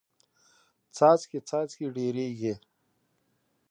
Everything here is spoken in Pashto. څاڅکې څاڅکې ډېریږي.